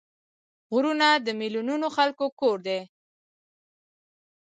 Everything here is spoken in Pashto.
غرونه د میلیونونو خلکو کور دی